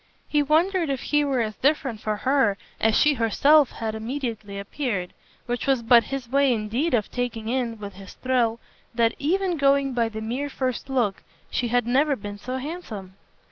He wondered if he were as different for her as she herself had immediately appeared: which was but his way indeed of taking in, with his thrill, that even going by the mere first look she had never been so handsome.